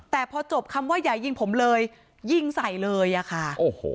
แต่พอจบคำว่าอย่ายิงผมเลยยิงใส่เลยอะค่ะโอ้โห